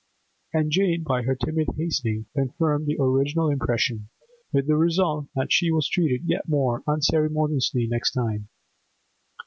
And Jane, by her timid hastening, confirmed the original impression, with the result that she was treated yet more unceremoniously next time.